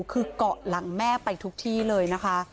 คือเกาะหลังแม่ไปทุกที่เลยนะคะ